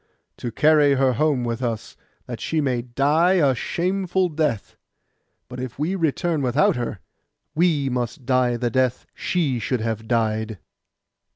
'To carry her home with us, that she may die a shameful death; but if we return without her, we must die the death she should have died.